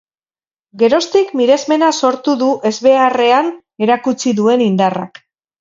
Geroztik miresmena sortu du ezbeharrean erakutsi duen indarrak.